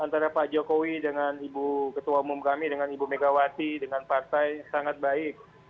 antara pak jokowi dengan ibu ketua umum kami dengan ibu megawati dengan partai sangat baik